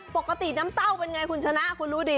ปกติน้ำเต้าเป็นไงคุณชนะคุณรู้ดิ